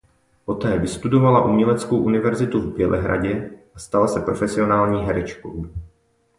Poté vystudovala Uměleckou univerzitu v Bělehradě a stala se profesionální herečkou.